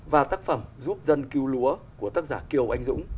và tác phẩm giúp dân cứu lúa của tác giả kiều anh dũng